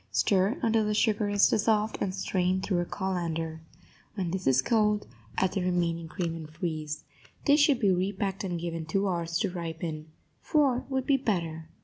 Stir until the sugar is dissolved, and strain through a colander. When this is cold, add the remaining cream and freeze. This should be repacked and given two hours to ripen. Four would be better.